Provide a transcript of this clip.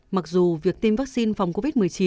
mặc dù việc tiêm vaccine phòng covid một mươi chín